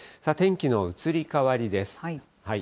天気の移り変わりです。